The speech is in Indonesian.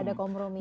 gak ada komromi